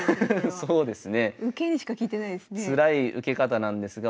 そうですね。